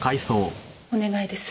お願いです。